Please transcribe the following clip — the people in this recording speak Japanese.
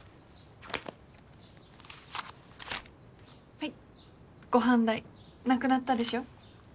はいご飯代なくなったでしょ？